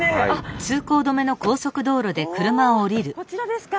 おおこちらですか！